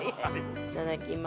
いただきます。